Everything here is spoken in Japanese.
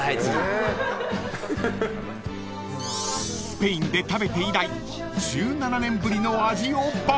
［スペインで食べて以来１７年ぶりの味を爆買い！］